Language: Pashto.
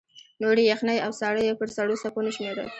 نورې یخنۍ او ساړه یې پر سړو څپو نه شمېرل.